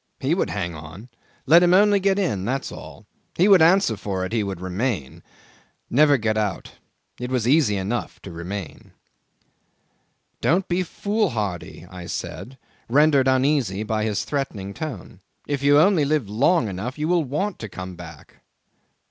He would hang on. Let him only get in that's all; he would answer for it he would remain. Never get out. It was easy enough to remain. '"Don't be foolhardy," I said, rendered uneasy by his threatening tone. "If you only live long enough you will want to come back."